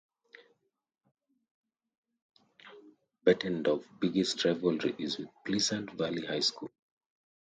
Bettendorf's biggest rivalry is with Pleasant Valley High School.